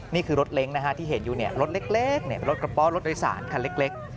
นี่คือรถเล้งที่เห็นอยู่รถเล็กรถกระเป๋ารถโดยสารคันเล็ก